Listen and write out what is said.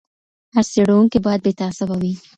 هر څېړونکی باید بې تعصبه وي.